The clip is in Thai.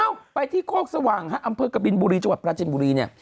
ไปที่โคกสว่างฮะอำเภอกบินบุรีจังหวัดปราจินบุรีเนี่ย